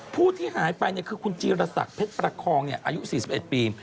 ผู้ที่หายไปคือคุณจีรศักดิ์เพชรประคองอายุ๔๑ปี